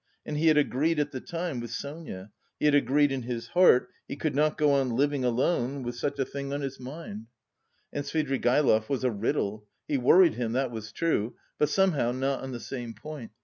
And he had agreed at the time with Sonia, he had agreed in his heart he could not go on living alone with such a thing on his mind! "And Svidrigaïlov was a riddle... He worried him, that was true, but somehow not on the same point.